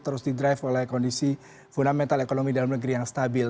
terus didrive oleh kondisi fundamental ekonomi dalam negeri yang stabil